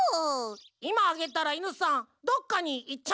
いまあげたらイヌさんどっかにいっちゃわない？